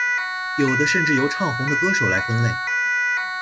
有的甚至由唱红的歌手来分类。